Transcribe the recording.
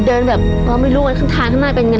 เดินแบบเราไม่รู้ว่าข้างทางข้างหน้าเป็นไง